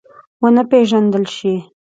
ونه پېژندل شي.